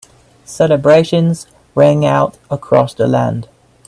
Celebrations rang out across the land.